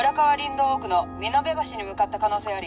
道奥の美濃部橋に向かった可能性あり。